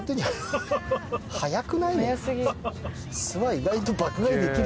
早くない？